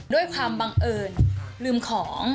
ด้วยความบังเอิญลืมของ